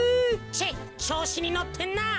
チェッちょうしにのってんなあ。